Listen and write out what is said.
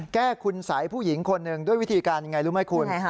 แก้คุณสัยผู้หญิงคนหนึ่งด้วยวิธีการอย่างไรรู้ไหมคุณ